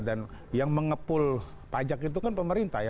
dan yang mengepul pajak itu kan pemerintah